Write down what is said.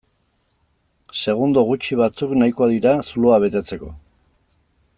Segundo gutxi batzuk nahikoa dira zuloa betetzeko.